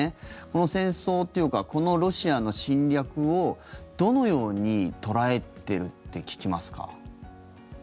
この戦争というかこのロシアの侵略をどのように捉えているって聞きますか？